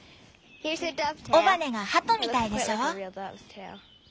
尾羽がハトみたいでしょ？